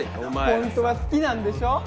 ホントは好きなんでしょ？